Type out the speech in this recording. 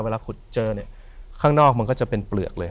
เวลาขุดเจอเนี่ยข้างนอกมันก็จะเป็นเปลือกเลย